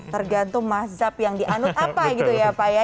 tergantung mazhab yang dianut apa gitu ya pak ya